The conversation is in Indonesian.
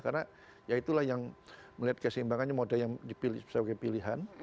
karena ya itulah yang melihat keseimbangannya moda yang dipilih sebagai pilihan